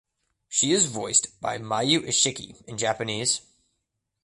She is voiced by Mayu Isshiki in Japanese.